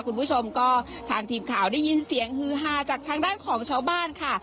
คุณผู้ชมก็ทางทีมข่าวได้ยินเสียงฮือฮาจากทางด้านของชาวบ้านค่ะ